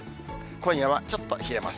今夜はちょっと冷えます。